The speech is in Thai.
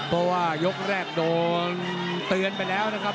เพราะว่ายกแรกโดนเตือนไปแล้วนะครับ